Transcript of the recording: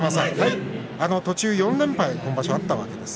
途中４連敗が今場所あったわけです。